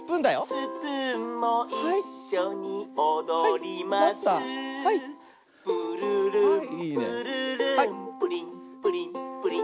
「スプーンもいっしょにおどります」「ぷるるんぷるるんプリンプリンプリン」